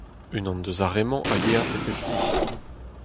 Unan eus ar re-mañ a yeas e pep ti.